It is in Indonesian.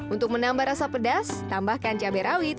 untuk menambah rasa pedas tambahkan cabai rawit